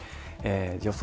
予想